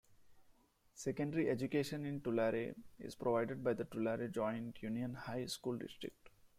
Secondary education in Tulare is provided by the Tulare Joint Union High School District.